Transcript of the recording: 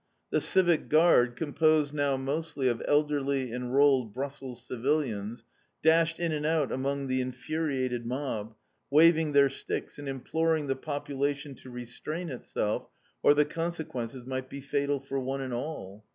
_" The Civic Guard, composed now mostly of elderly enrolled Brussels civilians, dashed in and out among the infuriated mob, waving their sticks, and imploring the population to restrain itself, or the consequences might be fatal for one and all.